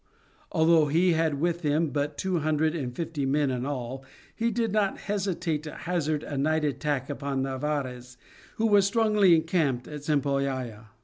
Although he had with him but two hundred and fifty men in all, he did not hesitate to hazard a night attack upon Narvaez who was strongly encamped at Cempoalla.